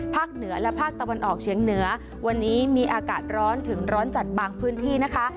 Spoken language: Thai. เหนือและภาคตะวันออกเฉียงเหนือวันนี้มีอากาศร้อนถึงร้อนจัดบางพื้นที่นะคะ